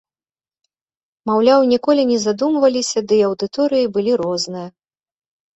Маўляў, ніколі не задумваліся, ды і аўдыторыі былі розныя.